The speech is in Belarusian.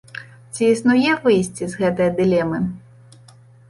Ці існуе выйсце з гэтае дылемы?